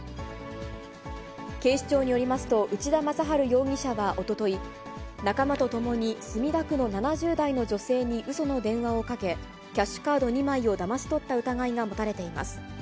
警視庁によりますと、内田雅晴容疑者はおととい、仲間と共に墨田区の７０代の女性にうその電話をかけ、キャッシュカード２枚をだまし取った疑いが持たれています。